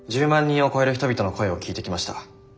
人を超える人々の声を聞いてきました。